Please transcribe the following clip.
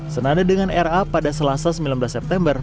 senada dengan ra pada selasa sembilan belas september